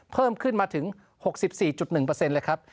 เพิ่มขึ้นมาถึง๖๔๑เลยครับ